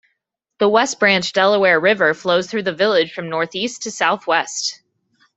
The West Branch Delaware River flows through the village from northeast to southwest.